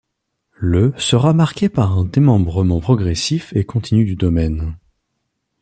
Le sera marqué par un démembrement progressif et continu du domaine.